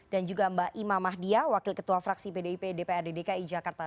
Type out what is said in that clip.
dan juga mbak ima mahdia wakil ketua fraksi pdip dpr dki jakarta